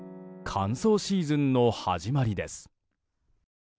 乾燥シーズンの始まりです。